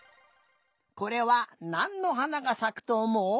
これはなんのはながさくとおもう？